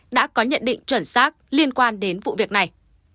đã có nhận định chuẩn xác liên quan đến vụ việc này